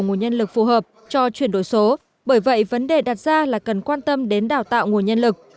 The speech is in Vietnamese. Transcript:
nguồn nhân lực phù hợp cho chuyển đổi số bởi vậy vấn đề đặt ra là cần quan tâm đến đào tạo nguồn nhân lực